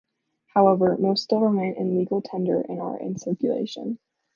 However, most still remain in legal tender and are in circulation.